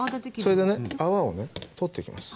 それでね泡をね取っていきます。